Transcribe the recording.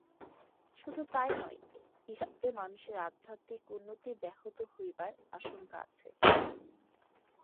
শুধু তাই নয়, ইহাতে মানুষের আধ্যাত্মিক উন্নতি ব্যাহত হইবার আশঙ্কা আছে।